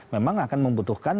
memang akan membutuhkan